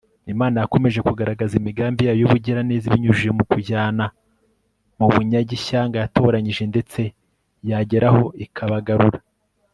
imana yakomeje kugaragaza imigambi yayo y'ubugiraneza ibinyujije mu kujyana mu bunyage ishyanga yatoranyije ndetse yagera aho ikabagarura